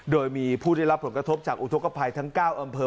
โดยมีผู้ได้รับผลกระทบจากอุทธกภัยทั้ง๙อำเภอ